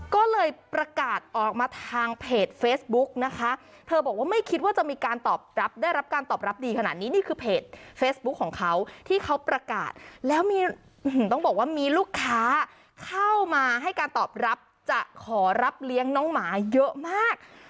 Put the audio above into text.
ก็เลยประกาศออกมาทางเพจเฟซบุ๊กนะคะเธอบอกว่าไม่คิดว่าจะมีการตอบรับได้รับการตอบรับดีขนาดนี้นี่คือเพจเฟซบุ๊คของเขาที่เขาประกาศแล้วมีต้องบอกว่ามีลูกค้าเข้ามาให้การตอบรับจะขอรับเลี้ยงน้องหมาเยอะมาก